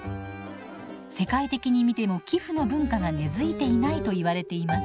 世界的に見ても寄付の文化が根づいていないといわれています。